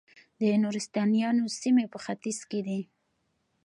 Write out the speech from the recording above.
د نورستانیانو سیمې په ختیځ کې دي